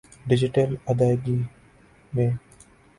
digital ادائیگی م